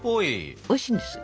おいしいんですよ。